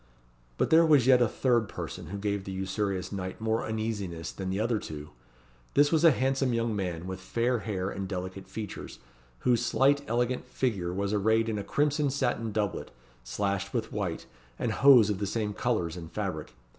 But there was yet a third person, who gave the usurious knight more uneasiness than the other two. This was a handsome young man, with fair hair and delicate features, whose slight elegant figure was arrayed in a crimson satin doublet, slashed with white, and hose of the same colours and fabric.